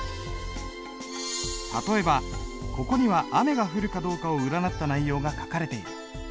例えばここには雨が降るかどうかを占った内容が書かれている。